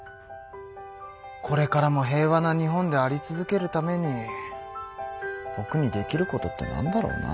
これからも平和な日本であり続けるためにぼくにできることってなんだろうな。